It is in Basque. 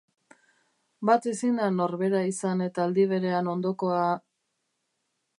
Bat ezin da norbera izan eta aldi berean ondokoa...